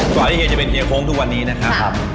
กว่าที่เฮียจะเป็นเฮียโค้งทุกวันนี้นะครับ